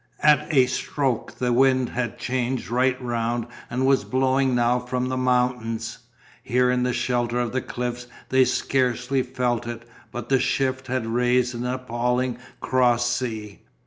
At a stroke the wind had changed right round and was blowing now from the mountains. Here in the shelter of the cliffs they scarcely felt it but the shift had raised an appalling cross sea.